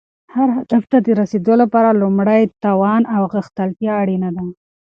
هر هدف ته رسیدو لپاره لومړی توان او غښتلتیا اړینه ده.